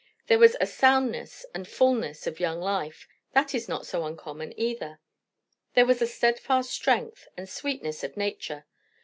There was a soundness and fulness of young life; that is not so uncommon either. There was a steadfast strength and sweetness of nature.